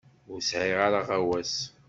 Ur sɛiɣ ara aɣawas.